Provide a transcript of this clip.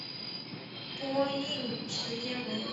播映时间为。